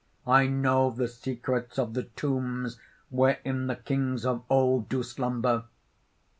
I know the secrets of the tombs wherein the Kings of old do slumber.